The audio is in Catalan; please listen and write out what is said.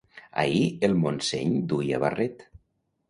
Ahir el Montseny duia barret